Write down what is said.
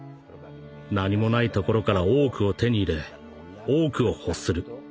何もないところから多くを手に入れ多くを欲する。